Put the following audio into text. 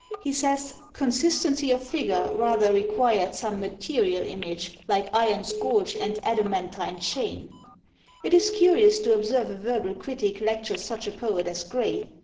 He says, "consistency of figure rather required some material image, like iron scourge and adamantine chain." It is curious to observe a verbal critic lecture such a poet as Gray!